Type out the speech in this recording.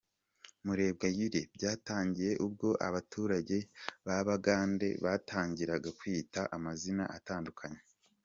Murebwayire : Byatangiye ubwo abaturage b’Abagande batangiraga kutwita amazina atandukanye.